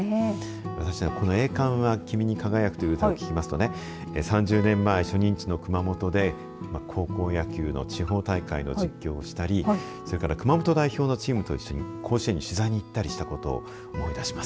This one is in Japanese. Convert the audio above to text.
私は栄冠は君に輝くという歌を聞くと３０年前、初任地の熊本で高校野球の地方大会の実況をしたりそれから熊本代表のチームと一緒に甲子園に取材に行ったりしたことを思い出します。